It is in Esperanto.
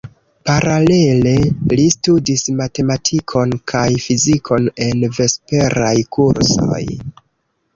Paralele li studis matematikon kaj fizikon en vesperaj kursoj.